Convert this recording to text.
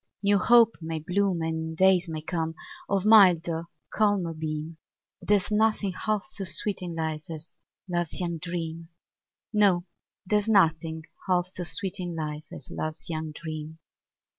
New hope may bloom, And days may come, Of milder, calmer beam, But there's nothing half so sweet in life As love's young dream; No, there's nothing half so sweet in life As love's young dream.